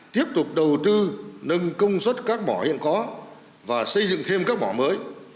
tiếp tục đầu tư nâng công suất các mỏ hiện có và xây dựng thêm các mỏ mới